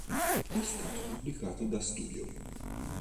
È stato pubblicato da Studio!